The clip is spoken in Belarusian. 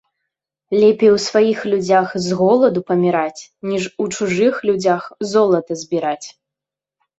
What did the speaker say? Лепей у сваіх людзях з голаду паміраць, ніж у чужых людзях золата збіраць